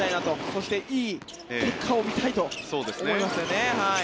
そしていい結果を見たいと思いますよね。